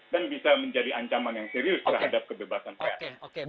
dan bisa menjadi ancaman yang serius terhadap kebebasan pr